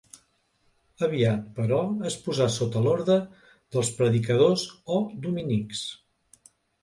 Aviat, però, es posà sota l'Orde dels Predicadors o dominics.